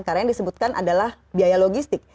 karena yang disebutkan adalah biaya logistik